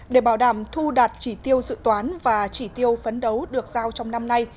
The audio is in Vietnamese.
để bảo đảm thu đạt chỉ tiêu dự toán và chỉ tiêu phấn đấu được giao trong năm nay